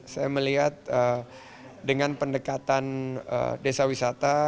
saya melihat dengan pendekatan desa wisata